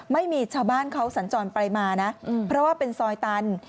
ไม่มีชาวบ้านเขาสัญจรไปมานะเพราะว่าเป็นซอยตัน